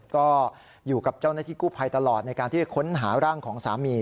ก็อยู่กับเจ้าหน้าที่กู้ภัยตลอดในการที่จะค้นหาร่างของสามี